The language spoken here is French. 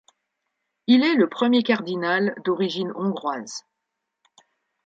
Il est le premier cardinal d'origine hongroise.